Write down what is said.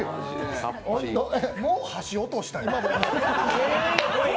もう箸落としたよ。